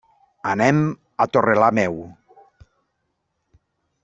Anem a Torrelameu.